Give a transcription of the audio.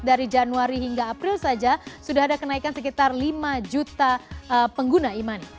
dari januari hingga april saja sudah ada kenaikan sekitar lima juta pengguna e money